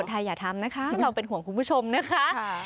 ไทยอย่าทำนะคะเราเป็นห่วงคุณผู้ชมนะคะ